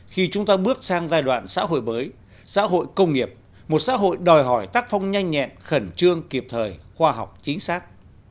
khi chúng ta bước sang giai đoạn xã hội mới xã hội công nghiệp một xã hội đòi hỏi tác phong nhanh nhẹn khẩn trương kịp thời khoa học chính xác